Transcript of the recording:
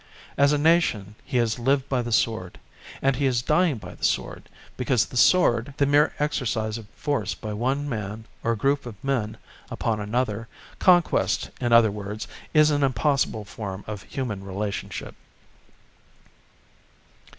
As a nation, he has lived by the sword, and he is dying by the sword, because the sword, the mere exercise of force by one man or group of men upon another, conquest in other words, is an impossible form of human relationship.